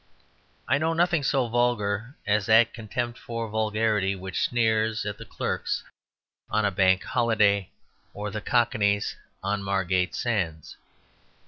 I know nothing so vulgar as that contempt for vulgarity which sneers at the clerks on a Bank Holiday or the Cockneys on Margate sands.